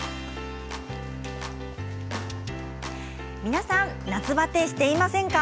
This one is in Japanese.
皆さん夏バテしていませんか。